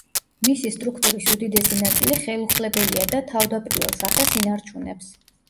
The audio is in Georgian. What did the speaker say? მისი სტრუქტურის უდიდესი ნაწილი ხელუხლებელია და თავდაპირველ სახეს ინარჩუნებს.